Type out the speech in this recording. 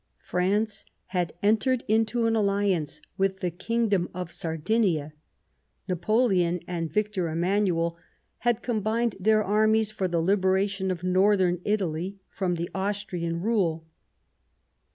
France had entered into an alHance with the Kingdom of Sardinia ; Napoleon and Victor Emmanuel had combined their armies for the libera tion of Northern Italy from the Austrian rule.